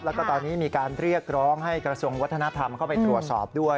แล้วก็ตอนนี้มีการเรียกร้องให้กระทรวงวัฒนธรรมเข้าไปตรวจสอบด้วย